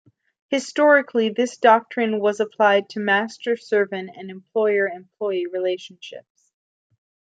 Historically, this doctrine was applied in master-servant and employer-employee relationships.